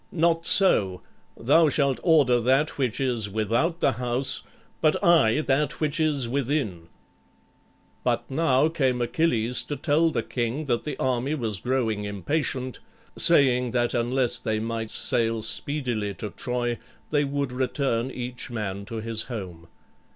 "Not so: thou shalt order that which is without the house, but I that which is within." But now came Achilles to tell the king that the army was growing impatient, saying that unless they might sail speedily to Troy they would return each man to his home.